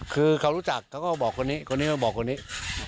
คือเขารู้จักเขาก็บอกคนนี้คนนี้มาบอกคนนี้